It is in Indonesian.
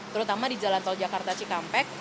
terutama di jalan tol jakarta cikampek